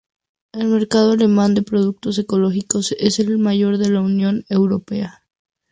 El mercado alemán de productos ecológicos es el mayor de la Unión Europea.